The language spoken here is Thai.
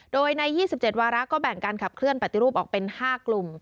โดยใน๒๗วาระก็แบ่งการขับเคลื่อนปฏิรูปออกเป็น๕กลุ่ม